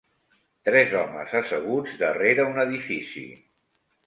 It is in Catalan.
Tres homes asseguts darrere un edifici.